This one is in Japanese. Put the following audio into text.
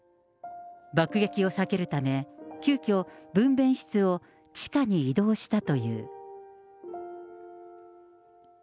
爆撃を避けるため、急きょ、分娩室を地下に移動したという。